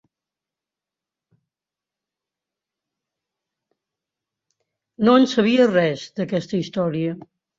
No en sabia res, d'aquesta història.